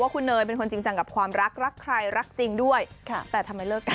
คุณเนยเป็นคนจริงจังกับความรักรักใครรักจริงด้วยแต่ทำไมเลิกกัน